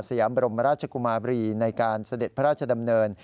ยามบรมราชกุมาบรีในการเสด็จพระราชดำเนิน